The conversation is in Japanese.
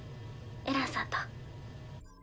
エランさんと。